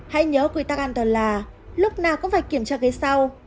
hãy nhớ quy tắc an toàn là lúc nào có phải kiểm tra ghế sau